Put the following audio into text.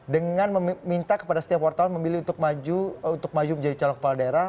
dengan meminta kepada setiap wartawan memilih untuk maju menjadi calon kepala daerah